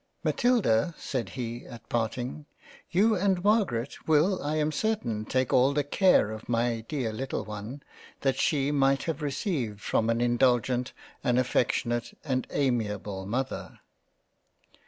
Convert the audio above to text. " Matilda (said he at part ing) you and Margaret will I am certain take all the care of my dear little one, that she might have received from an indulgent, and affectionate and amiable Mother."